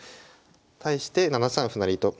対して７三歩成と。